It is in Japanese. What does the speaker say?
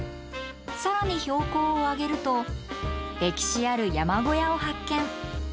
更に標高を上げると歴史ある山小屋を発見。